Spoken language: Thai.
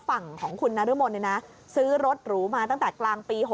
ฝั่งของคุณนรมนซื้อรถหรูมาตั้งแต่กลางปี๖๐